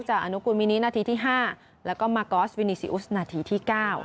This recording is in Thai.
อนุกูลมินินาทีที่๕แล้วก็มากอสวินีซีอุสนาทีที่๙